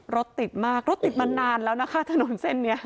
รถติดมากรถติดมานานแล้วนะคะถนนเส้นนี้